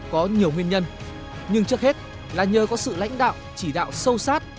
có nhiều nguyên nhân nhưng trước hết là nhờ có sự lãnh đạo chỉ đạo sâu sát